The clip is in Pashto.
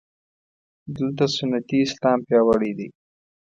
دلته سنتي اسلام پیاوړی دی.